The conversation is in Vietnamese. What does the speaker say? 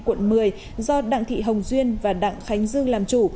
quận một mươi do đặng thị hồng duyên và đặng khánh dương làm chủ